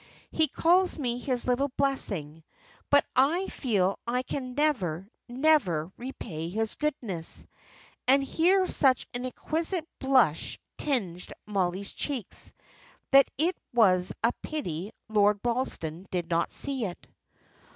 He calls me his little blessing; but I feel I can never, never, repay his goodness." And here such an exquisite blush tinged Mollie's cheeks, that it was a pity Lord Ralston did not see it.